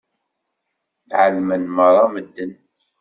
Ɛelmen meṛṛa medden.